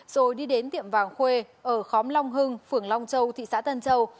rồi đi đến tiệm vàng khuê ở khóm long hưng phường long châu thị xã tân châu